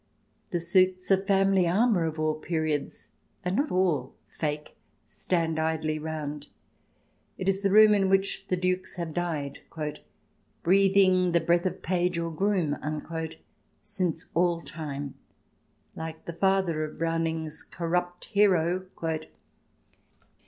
The suits of family armour of all periods, and not all fake, stand idly round — it is the room in which the Dukes have died, " breathing the breath of page or groom " since all time, like the father of Browning's corrupt hero —"...